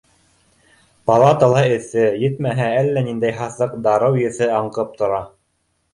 Палатала эҫе, етмәһә, әллә ниндәй һаҫыҡ дарыу еҫе аңҡып тора.